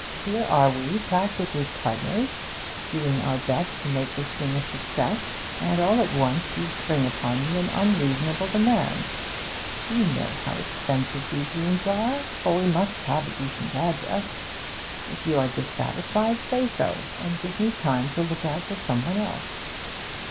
Here are we, practically partners, doing our best to make this thing a success, and all at once you spring upon me an unreasonable demand. You know how expensive these rooms are for we must have a decent address. If you are dissatisfied, say so, and give me time to look out for some one else.'